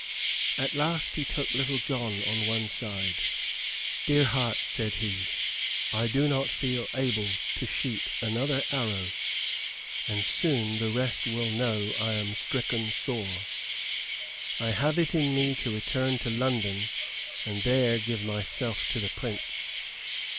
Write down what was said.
At last he took Little John on one side. "Dear heart," said he, "I do not feel able to shoot another arrow, and soon the rest will know I am stricken sore. I have it in me to return to London and there give myself to the Prince.